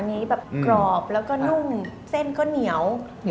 อันนี้แบบกรอบแล้วก็นุ่มเส้นก็เหนียว